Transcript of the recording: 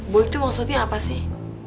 bu itu maksudnya apa sih